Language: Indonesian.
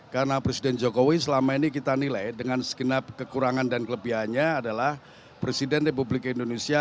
karena presiden jokowi selama ini kita nilai dengan sekenap kekurangan dan kelebihannya adalah presiden republik indonesia